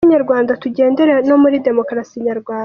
Umuco nyarwanda tugendere no muri demokarasi nyarwanda.